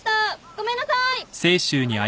ごめんなさい！